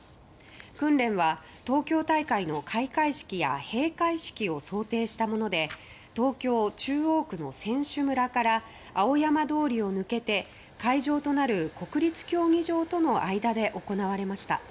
訓練は、東京大会の開会式や閉会式を想定したもので東京・中央区の選手村から青山通りを抜けて会場となる国立競技場との間で行われました。